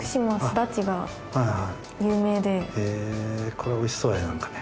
これおいしそうや何かね